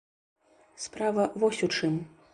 Справа вось у чым.